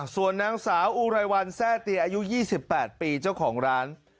ส่วนนางสาวอุไรวันแทร่เตียอายุ๒๘ปีเจ้าของร้าน